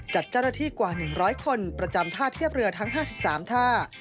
จัดเจ้าหน้าที่กว่า๑๐๐คนประจำท่าเทียบเรือทั้ง๕๓ท่า